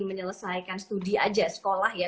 menyelesaikan studi aja sekolah ya